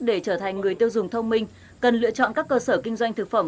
để trở thành người tiêu dùng thông minh cần lựa chọn các cơ sở kinh doanh thực phẩm